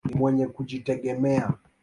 Ni mwenye kujitegemea.